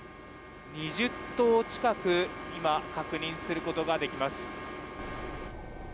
２０棟近く確認することができます。